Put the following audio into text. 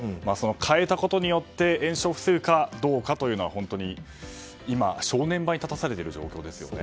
変えたことによって延焼を防ぐかどうか本当に今、正念場に立たされている状況ですよね。